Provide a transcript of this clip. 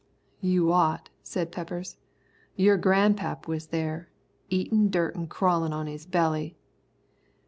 "You ought," said Peppers. "Your grandpap was there, eatin' dirt an' crawlin' on his belly."